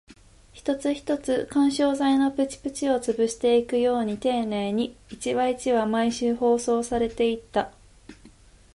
一つ一つ、緩衝材のプチプチを潰していくように丁寧に、一話一話、毎週放送されていった